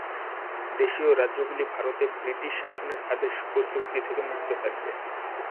দেশীয় রাজ্যগুলি ভারতে ব্রিটিশ শাসনের আদেশ ও চুক্তি থেকে মুক্ত থাকবে।